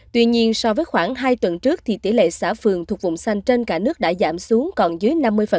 tuy nhiên so với khoảng hai tuần trước thì tỷ lệ xã phường thuộc vùng xanh trên cả nước đã giảm xuống còn dưới năm mươi